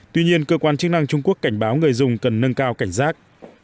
tuy nhiên cơ quan chức năng trung quốc cảnh báo người dùng cần nâng cao cảnh giác